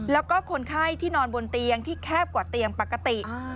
แล้วก็คนไข้ที่นอนบนเตียงที่แคบกว่าเตียงปกติ